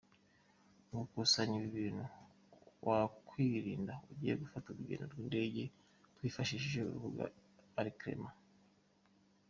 Mu gukusanya ibi bintu wakwirinda ugiye gufata urugendo rw’indege, twifashishije urubuga Elcrema.